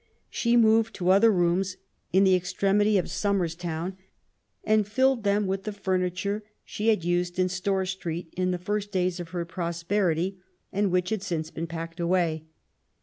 She moved to other rooms in the extremity of Somer's Town, and filled them with the furniture she had used in Store Street in the first days of her prosperity, and which had since been packed away.